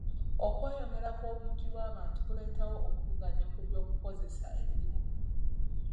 Okweyongera kw'obungi bw'abantu kuleetawo okuvuganya ku by'okukozesa ebiriwo.